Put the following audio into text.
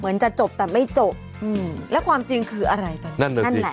เหมือนจะจบแต่ไม่จบอืมแล้วความจริงคืออะไรตอนนี้นั่นแหละ